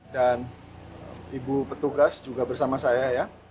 dan ibu petugas juga bersama saya ya